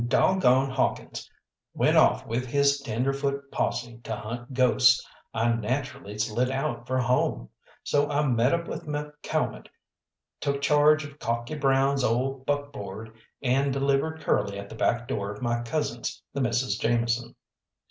When Dog gone Hawkins went off with his tenderfoot posse to hunt ghosts, I naturally slid out for home. So I met up with McCalmont, took charge of Cocky Brown's old buckboard, and delivered Curly at the back door of my cousins, the Misses Jameson.